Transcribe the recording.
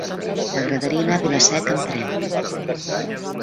M'agradaria anar a Vila-seca amb tren.